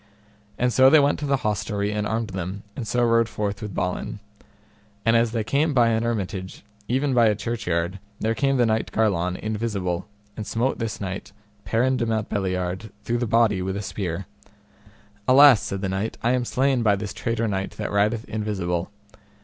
And so they went to the hostelry and armed them, and so rode forth with Balin. And as they came by an hermitage even by a churchyard, there came the knight Garlon invisible, and smote this knight, Perin de Mountbeliard, through the body with a spear. Alas, said the knight, I am slain by this traitor knight that rideth invisible.